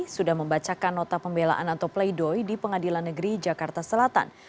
sudah membacakan nota pembelaan atau play doh di pengadilan negeri jakarta selatan